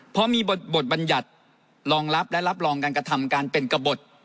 เพราะมีบทบัญญัติรองรับและรับรองการกระทำการเป็นกระบด